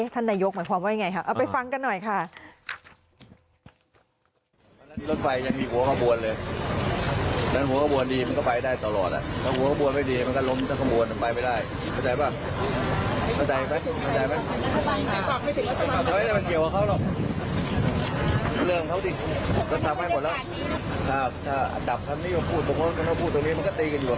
ท่านนายกหมายความว่ายังไงคะเอาไปฟังกันหน่อยค่ะ